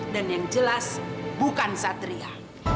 dan yang jelas bukan satria